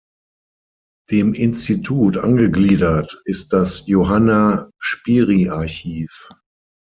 Dem Institut angegliedert ist das Johanna Spyri-Archiv.